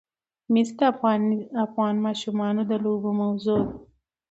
مس د افغان ماشومانو د لوبو موضوع ده.